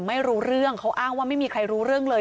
ไม่รู้เรื่องเขาอ้างว่าไม่มีใครรู้เรื่องเลย